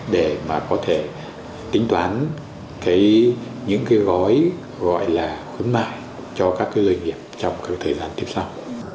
để có thể tính toán những gói gọi là khuyến mại cho các doanh nghiệp trong thời gian tiếp sau